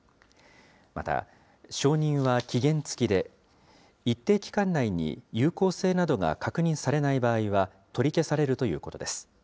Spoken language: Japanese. また承認は期限付きで、一定期間内に有効性などが確認されない場合は、取り消されるということです。